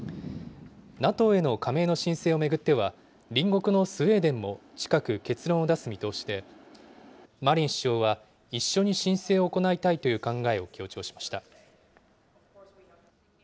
ＮＡＴＯへの加盟の申請を巡っては、隣国のスウェーデンも近く、結論を出す見通しで、マリン首相は一緒に申請を行いたいという考えを強調しました。